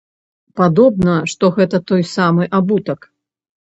Падобна, што гэта той самы абутак.